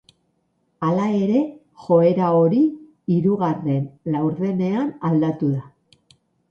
Hala ere, joera hori hirugarren laurdenean aldatu da.